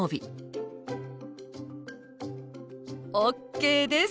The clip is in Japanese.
ＯＫです。